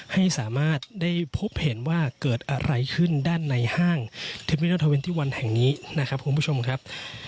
ให้สามารถได้พบเห็นว่าเกิดอะไรขึ้นด้านในห้างแห่งนี้นะครับคุณผู้ชมครับ